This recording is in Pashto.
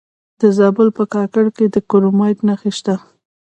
د زابل په کاکړ کې د کرومایټ نښې شته.